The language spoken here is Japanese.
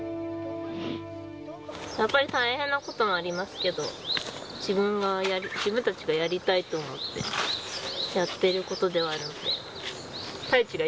やっぱり大変なこともありますけど、自分たちがやりたいと思ってやってることではあるので。